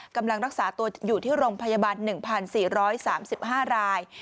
กำลังรักษาตัวอยู่ที่โรงพยาบาล๑๔๓๕ราย